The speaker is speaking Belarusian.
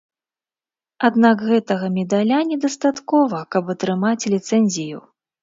Аднак гэтага медаля недастаткова, каб атрымаць ліцэнзію.